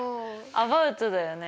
アバウトだね。